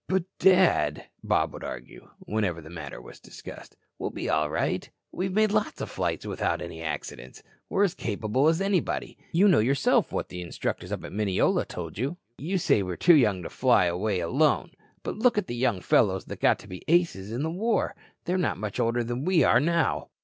"But, Dad," Bob would argue, whenever the matter was discussed, "we'll be all right. We've made lots of flights without any accidents. We're as capable as anybody. You know yourself what the instructors up at Mineola told you. You say we are too young to fly away alone. But look at the young fellows that got to be 'aces' in the War! Not much older than we are now."